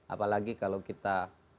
apalagi kalau kita